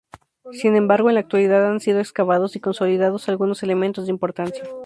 Sin embargo, en la actualidad han sido excavados y consolidados algunos elementos de importancia.